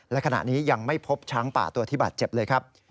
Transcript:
และขณะนี้ยังไม่พบช้างป่าตัวที่บาดเจ็บเลยครับ